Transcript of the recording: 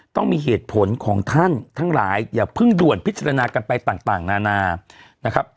ต้องมีเหตุผลของท่านทั้งหลายอย่าเพิ่งด่วนพิจารณากันไปต่างนานานะครับ